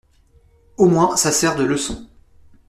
Au moins, ça sert de leçon.